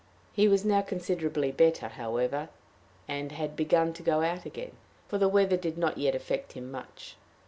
He was now considerably better, however, and had begun to go about again, for the weather did not yet affect him much.